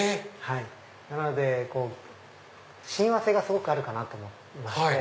なので親和性がすごくあるかなと思いまして。